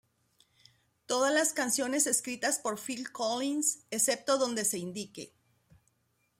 Todas las canciones escritas por Phil Collins, excepto donde se indique.